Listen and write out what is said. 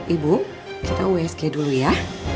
ibu kita usg dulu ya